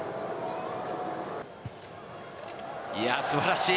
いや、すばらしい。